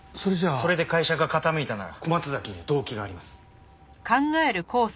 それで会社が傾いたなら小松崎には動機があります。